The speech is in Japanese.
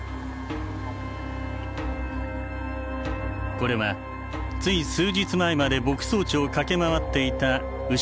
これはつい数日前まで牧草地を駆け回っていた牛の姿である。